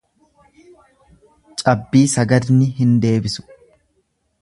Cabbii sagadni hin deebisu.